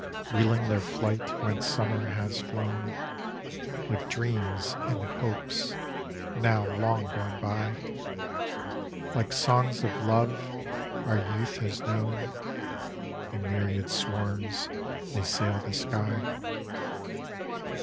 Wheeling their flight whence sumner has flown, Like dreams and hopes now long gone by, Like songs of love our youth has known , In myriad swarms they sail the sky.